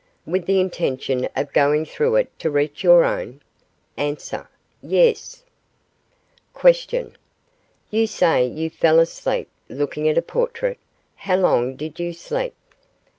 With the intention of going through it to reach your own? A. Yes. Q. You say you fell asleep looking at a portrait. How long did you sleep?